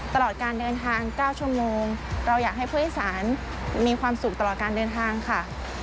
ตลอดการเดินทาง๙ชั่วโมงเราอยากให้ผู้โดยสารมีความสุขตลอดการเดินทางค่ะ